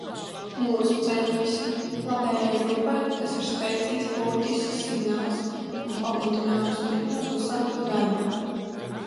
Mūsu centriski labējai grupai tas ir spēcīgs politisks signāls un pamudinājums turpināt uzsākto darbu.